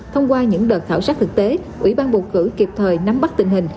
thông qua những đợt khảo sát thực tế ủy ban bầu cử kịp thời nắm bắt tình hình